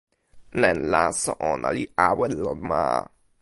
len laso ona li awen lon ma.